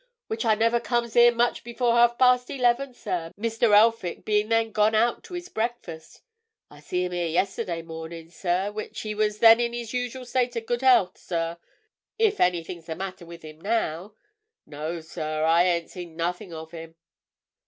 Which I never comes here much before half past eleven, sir, Mr. Elphick being then gone out to his breakfast. I see him yesterday morning, sir, which he was then in his usual state of good health, sir, if any thing's the matter with him now. No, sir, I ain't seen nothing of him."